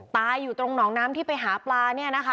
ตายอยู่ตรงหนองนี่ที่ไปหาปลา